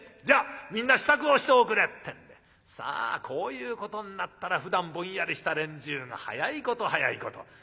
じゃあみんな支度をしておくれ」ってんでさあこういうことになったらふだんぼんやりした連中の速いこと速いこと。